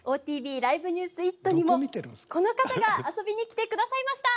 「ＯＴＶＬｉｖｅＮｅｗｓイット！」にもこの方が遊びに来てくださいました。